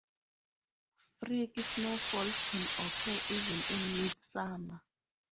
Freak snowfalls can occur even in midsummer.